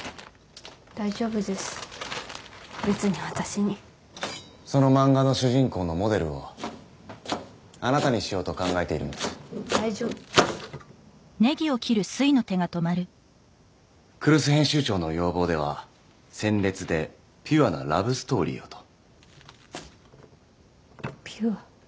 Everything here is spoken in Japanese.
大丈夫です別に私にその漫画の主人公のモデルをあなたにしようと考えているんです大丈夫来栖編集長の要望では鮮烈でピュアなラブストーリーをとピュア？